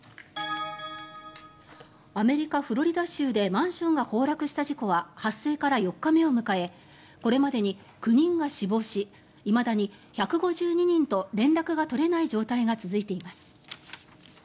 アメリカ・フロリダ州でマンションが崩落した事故は発生から４日目を迎えこれまでに９人が死亡しいまだに１５２人と連絡が取れない状態が続いています。